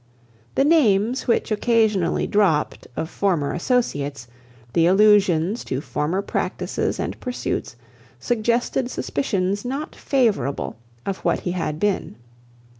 The names which occasionally dropt of former associates, the allusions to former practices and pursuits, suggested suspicions not favourable of what he had been.